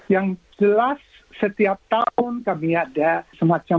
yang jelas setiap tahun kami ada semacam